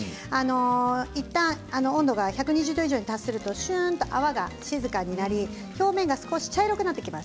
いったん温度が１２０度以上に達すると泡が静かになって表面が茶色くなってきます。